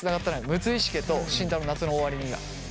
「六石家」と慎太郎の「夏の終わりに」が。